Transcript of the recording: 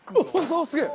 すげえ！